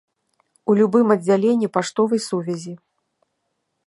У любым аддзяленні паштовай сувязі.